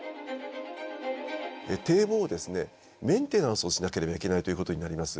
堤防をですねメンテナンスをしなければいけないということになります。